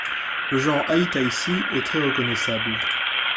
Le genre Aït Aïssi est très reconnaissable.